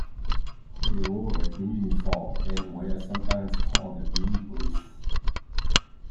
They wore a green uniform, and were sometimes called the "Green Police".